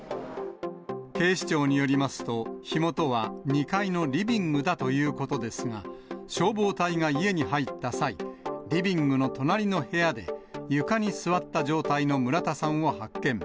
警視庁によりますと、火元は２階のリビングだということですが、消防隊が家に入った際、リビングの隣の部屋で、床に座った状態の村田さんを発見。